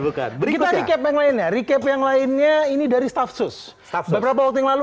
bukan bukan berikutnya yang lainnya recap yang lainnya ini dari stafsus beberapa waktu yang lalu